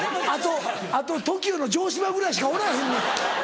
あとＴＯＫＩＯの城島ぐらいしかおらへんねん。